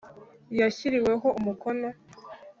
yashyiriweho umukono